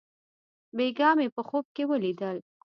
بېګاه مې په خوب کښې وليدل.